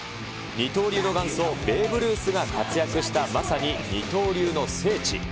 二刀流の元祖、ベーブ・ルースが活躍したまさに二刀流の聖地。